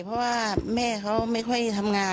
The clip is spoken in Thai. เพราะว่าแม่เขาไม่ค่อยทำงาน